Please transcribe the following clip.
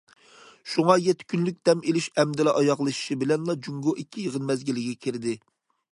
شۇڭا يەتتە كۈنلۈك دەم ئېلىش ئەمدىلا ئاياغلىشىشى بىلەنلا جۇڭگو ئىككى يىغىن مەزگىلىگە كىردى.